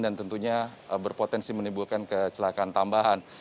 tentunya berpotensi menimbulkan kecelakaan tambahan